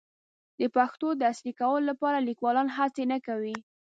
د پښتو د عصري کولو لپاره لیکوالان هڅې نه کوي.